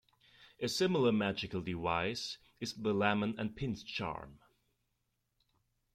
A similar magical device is the "lemon and pins" charm.